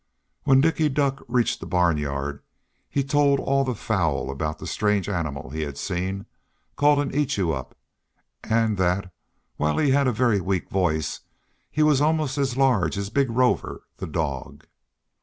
When Dicky Duck reached the barnyard he told all the fowl about the strange animal he had seen, called an Eatyoup, and that, while he had a very weak voice, he was almost as large as big Rover, the dog.